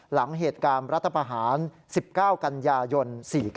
หลังเหตุการณ์รัฐประหาร๑๙กันยายน๔๙